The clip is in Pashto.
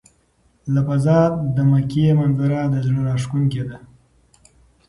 له فضا د مکې منظره د زړه راښکونکې ده.